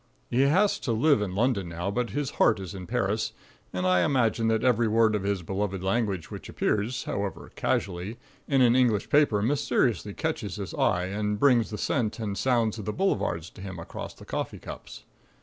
He has to live in London now, but his heart is in Paris; and I imagine that every word of his beloved language which appears, however casually, in an English paper mysteriously catches his eye and brings the scent and sounds of the boulevards to him across the coffee cups.